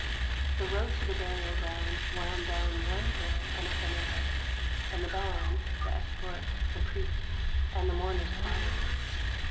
"The road to the burial ground wound down one hill and up another, and the band, the escort, the priests, and the mourners followed it.